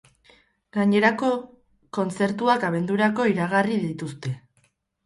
Gainerako, kontzertuak abendurako iragarri dituzte.